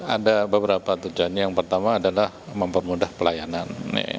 ada beberapa tujuan yang pertama adalah mempermudah pelayanan